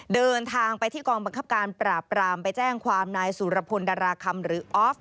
เดินทางไปที่กองบังคับการปราบรามไปแจ้งความนายสุรพลดาราคำหรือออฟ